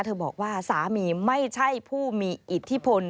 บอกว่าสามีไม่ใช่ผู้มีอิทธิพล